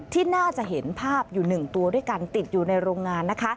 ที่น่าจะเห็นภาพอยู่๑ตัวด้วยกันติดอยู่ในโรงงานนะคะ